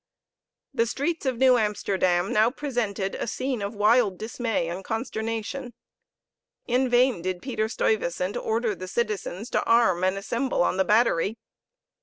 The streets of New Amsterdam now presented a scene of wild dismay and consternation. In vain did Peter Stuyvesant order the citizens to arm and assemble on the Battery.